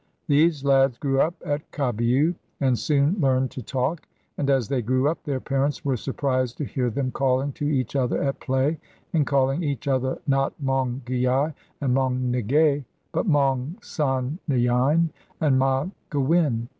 These lads grew up at Kabyu, and soon learned to talk; and as they grew up their parents were surprised to hear them calling to each other at play, and calling each other, not Maung Gyi and Maung Ngè, but Maung San Nyein and Ma Gywin.